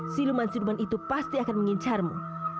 siluman siluman itu pasti akan mengincarmu